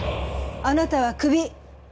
あなたはクビ。